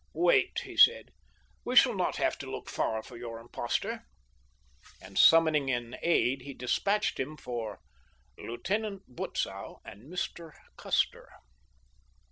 "Wait," he said, "we shall not have to look far for your 'impostor,'" and summoning an aide he dispatched him for "Lieutenant Butzow and Mr. Custer."